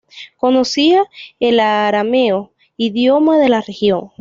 Conocía el arameo, idioma de la región.